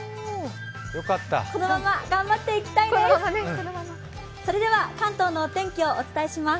このまま頑張っていきたいです。